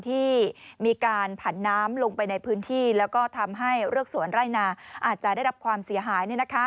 ที่มีการผันน้ำลงไปในพื้นที่แล้วก็ทำให้เรือกสวนไร่นาอาจจะได้รับความเสียหาย